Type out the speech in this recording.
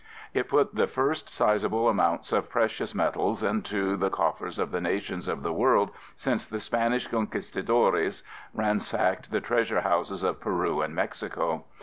It put the first sizeable amounts of precious metals into the coffers of the nations of the world since the Spanish Conquistadores ransacked the treasure houses of Peru and Mexico.